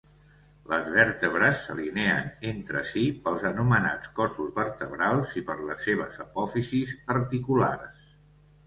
Les vèrtebres s'alineen entre si pels anomenats cossos vertebrals i per les seves apòfisis articulars.